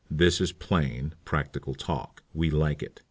"That is plain, practical talk. We like it.